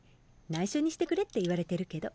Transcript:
内緒にしてくれって言われてるけど。